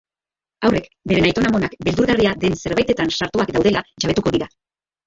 Haurrek beren aiton-amonak beldurgarria den zerbaitetan sartuak daudela jabetuko dira.